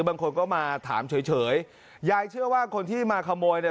บางคนก็มาถามเฉยเฉยยายเชื่อว่าคนที่มาขโมยเนี่ย